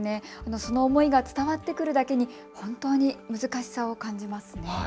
その思いが伝わってくるだけに本当に難しさを感じますね。